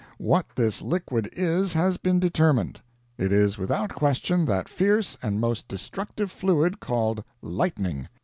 What this liquid is has been determined. It is without question that fierce and most destructive fluid called lightning.